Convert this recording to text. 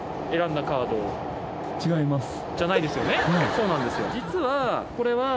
そうなんですよ。